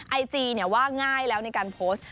ไอจีว่าง่ายแล้วในการโพสต์